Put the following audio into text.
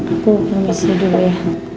aku permisi dulu ya